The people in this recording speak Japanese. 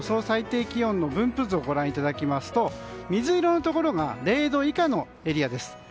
最低気温の分布図をご覧いただきますと水色が０度以下のエリアです。